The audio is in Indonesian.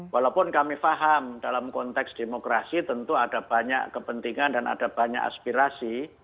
walaupun kami paham dalam konteks demokrasi tentu ada banyak kepentingan dan ada banyak aspirasi